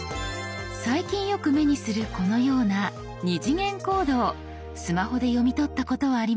最近よく目にするこのような「２次元コード」をスマホで読み取ったことはありますか？